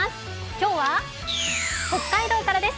今日は北海道からです。